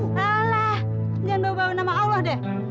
alah jangan bawa bawa nama allah deh